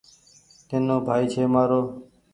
نينو ڀآئي ڇي مآرو ۔